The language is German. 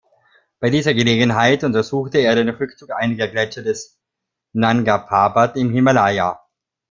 Bei dieser Gelegenheit untersuchte er den Rückzug einiger Gletscher des Nanga Parbat im Himalaya.